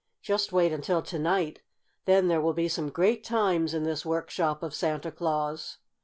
Just wait until to night! Then there will be some great times in this workshop of Santa Claus!"